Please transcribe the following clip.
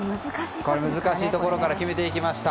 難しいところから決めていきました。